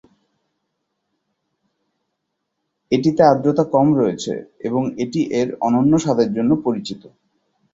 এটিতে আর্দ্রতা কম রয়েছে এবং এটি এর অনন্য স্বাদের জন্য পরিচিত।